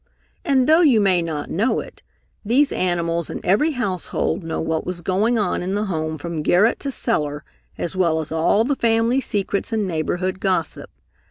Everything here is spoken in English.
And though you may not know it, these animals in every household know what is going on in the home from garret to cellar, as well as all the family secrets and neighborhood gossip.